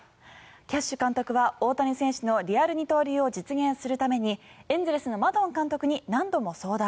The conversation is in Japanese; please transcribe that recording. キャッシュ監督は大谷選手のリアル二刀流を実現するためにエンゼルスのマドン監督に何度も相談。